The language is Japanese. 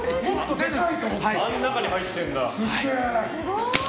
あの中に入ってるんだ。